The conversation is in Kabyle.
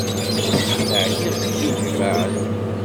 Ɛyiɣ seg yinejmaɛen.